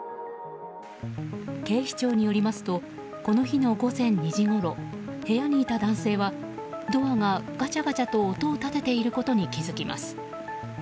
警視庁によりますとこの日の午前２時ごろ部屋にいた男性はドアがガチャガチャと音を立てていることに気づきます。